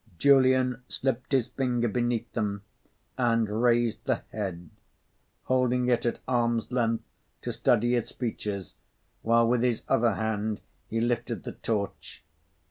Julian slipped his finger beneath them and raised the head, holding it at arm's length to study its features, while, with his other hand he lifted the torch.